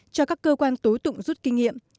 cho các cơ quan tối tụng rút kinh nghiệm